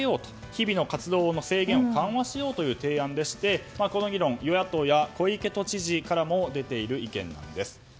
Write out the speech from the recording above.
日々の活動の制限を緩和しようという提案でしてこの議論、与野党や小池都知事からも出ている意見です。